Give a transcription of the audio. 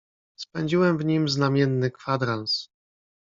"Spędziłem w nim znamienny kwadrans."